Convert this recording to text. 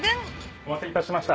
お待たせいたしました。